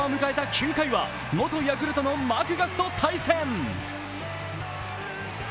９回は、元ヤクルトのマクガフと対戦。